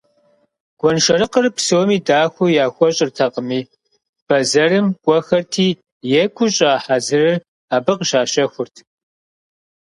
Гуэншэрыкъыр псоми дахэу яхуэщӀыртэкъыми, бэзэрым кӀуэхэрти, екӀуу щӀа хьэзырыр абы къыщащэхурт.